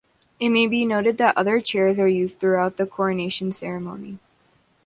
It may be noted that other chairs are used throughout the coronation ceremony.